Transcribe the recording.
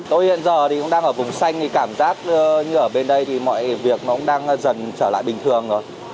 tôi hiện giờ thì cũng đang ở vùng xanh thì cảm giác như ở bên đây thì mọi việc nó cũng đang dần trở lại bình thường rồi